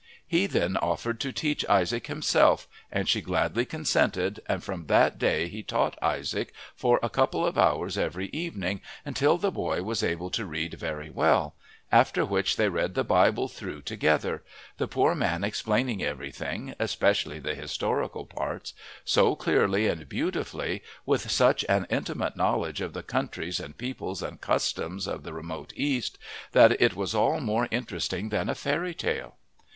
He then offered to teach Isaac himself and she gladly consented, and from that day he taught Isaac for a couple of hours every evening until the boy was able to read very well, after which they read the Bible through together, the poor man explaining everything, especially the historical parts, so clearly and beautifully, with such an intimate knowledge of the countries and peoples and customs of the remote East, that it was all more interesting than a fairy tale.